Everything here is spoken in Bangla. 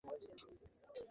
তুমি একা আসতে পারতে, মা।